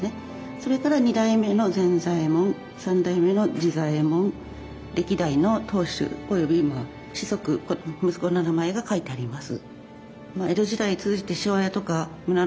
それから２代目の善左エ門３代目の治左衛門歴代の当主および子息息子の名前が書いてあります。